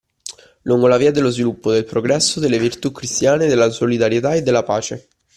Lungo la via dello sviluppo, del progresso, delle virtù cristiane, della solidarietà e della pace!